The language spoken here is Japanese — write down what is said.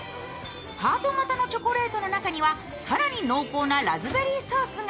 ハート形のチョコレートの中には更に濃厚なラズベリーソースが。